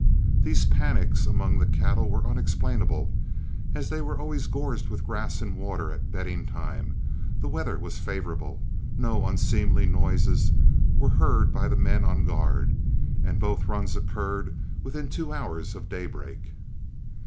These panics among the cattle were unexplainable, as they were always gorged with grass and water at bedding time, the weather was favorable, no unseemly noises were heard by the men on guard, and both runs occurred within two hours of daybreak.